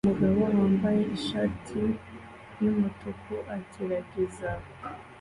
Umugabo wambaye ishati yumutuku agerageza